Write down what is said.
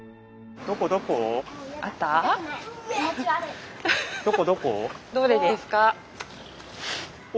どこどこ？